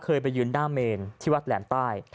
ไปยืนหน้าเมนที่วัดแหลมใต้